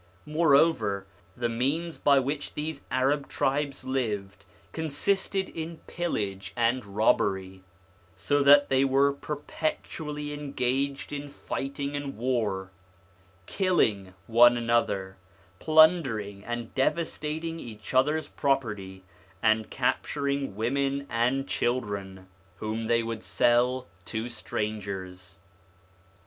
Moreover, the means by which these Arab tribes lived consisted in pillage and robbery, so that they were perpetually engaged in fighting and war, killing one another, plundering and devastating each other's property, and capturing women and children, whom they would sell to strangers.